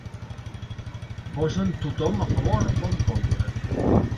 Posen tothom a favor o en contra.